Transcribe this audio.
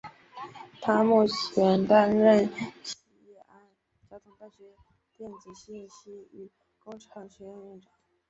他目前担任西安交通大学电子信息与工程学院院长。